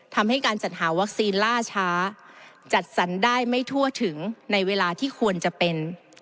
ทำให้การจัดหาวัคซีนล่าช้าจัดสรรได้ไม่ทั่วถึงในเวลาที่ควรจะเป็น